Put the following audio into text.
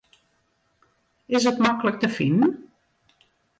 Is it maklik te finen?